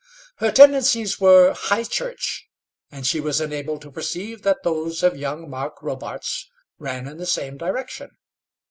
Her tendencies were High Church, and she was enabled to perceive that those of young Mark Robarts ran in the same direction.